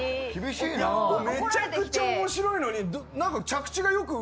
めちゃくちゃ面白いのに。